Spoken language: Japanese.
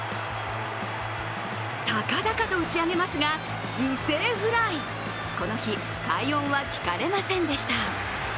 高々と打ち上げますが、犠牲フライこの日、快音は聞かれませんでした。